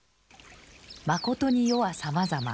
まことに世はさまざま。